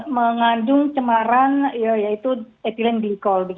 mengandung cemaran yaitu etilen glikol